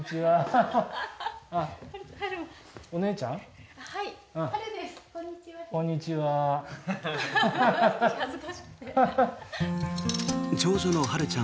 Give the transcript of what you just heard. お姉ちゃん？